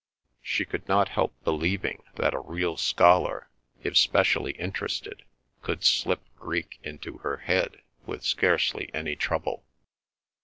She could not help believing that a real scholar, if specially interested, could slip Greek into her head with scarcely any trouble.